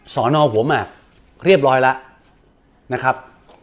สอนอหัวหมากเรียบร้อยแล้วนะครับ